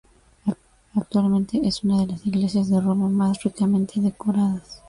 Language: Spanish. Actualmente, es una de las iglesias de Roma más ricamente decoradas.